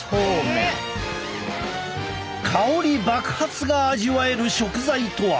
香り爆発が味わえる食材とは。